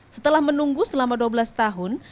setelah menunggu selama dua belas tahun